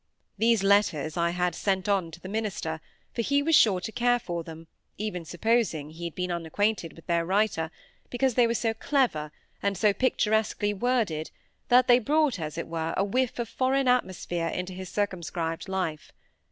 These letters I had sent on to the minister, for he was sure to care for them, even supposing he had been unacquainted with their writer, because they were so clever and so picturesquely worded that they brought, as it were, a whiff of foreign atmosphere into his circumscribed life.